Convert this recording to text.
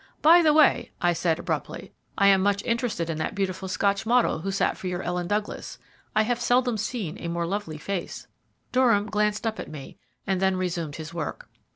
"By the way," I said abruptly, "I am much interested in that beautiful Scotch model who sat for your Ellen Douglas. I have seldom seen a more lovely face." Durham glanced up at me, and then resumed his work.